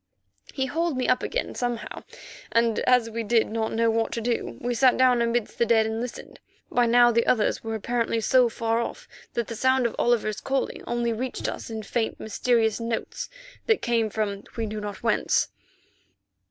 He hauled me up again somehow, and, as we did not know what to do, we sat down amidst the dead and listened. By now the others were apparently so far off that the sound of Oliver's calling only reached us in faint, mysterious notes that came from we knew not whence.